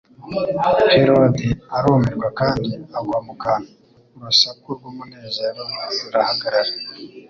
Herode arumirwa kandi agwa mu kantu. Urusaku rw'umunezero rurahagarara,